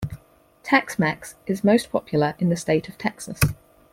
Tex-Mex is most popular in the state of Texas.